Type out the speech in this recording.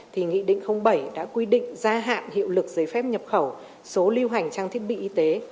thì nghị định bảy đã quy định gia hạn hiệu lực giấy phép nhập khẩu số lưu hành trang thiết bị y tế